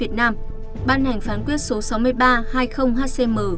hành phán quyết số sáu mươi ba hai mươi hcm